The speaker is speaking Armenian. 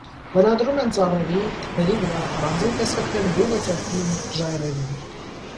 Բնադրում են ծառերի, թփերի վրա, առանձին տեսակներ բույնը ծեփում են ժայռերին։